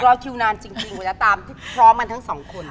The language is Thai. รอคิวนานจริงเวลาตามที่พร้อมกันทั้งสองคน